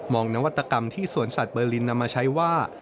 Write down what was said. นวัตกรรมที่สวนสัตว์เบอร์ลินนำมาใช้ว่า